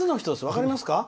分かりますか？